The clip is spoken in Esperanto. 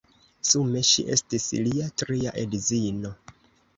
Sume ŝi estis lia tria edzino.